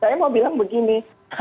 saya mau bilang begini